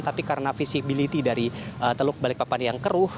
tapi karena visibility dari teluk balikpapan yang keruh